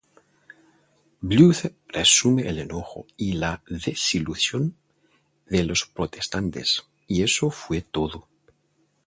Blythe resume el enojo y la desilusión de los protestantes: "Y eso fue todo.